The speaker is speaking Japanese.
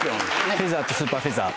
フェザーとスーパーフェザー。